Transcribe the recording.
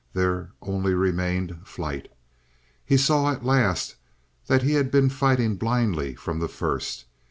There only remained flight. He saw at last that he had been fighting blindly from the first.